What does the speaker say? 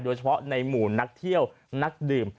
เฉพาะในหมู่นักเที่ยวนักดื่ม